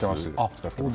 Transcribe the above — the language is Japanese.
使ってます。